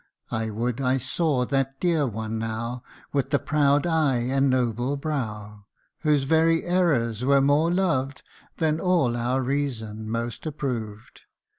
I would I saw that dear one now, With the proud eye and noble brow, 192 THE BRIDE. Whose very errors were more loved Than all our reason most approved.